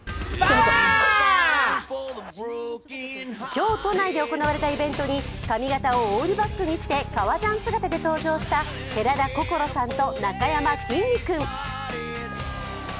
今日都内で行われたイベントに、髪型をオールバックにして、革ジャン姿で登場した寺田心さんと、なかやまきんに君。